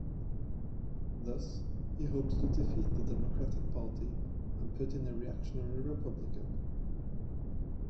Thus he hopes to defeat the Democratic Party and put in a reactionary Republican.